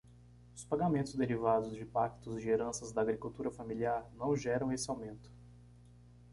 Os pagamentos derivados de pactos de heranças da agricultura familiar não geram esse aumento.